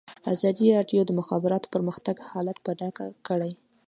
ازادي راډیو د د مخابراتو پرمختګ حالت په ډاګه کړی.